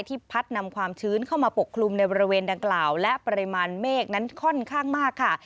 พัดนำความชื้นเข้ามาปกคลุมในบริเวณดังกล่าวและปริมาณเมฆนั้นค่อนข้างมากค่ะ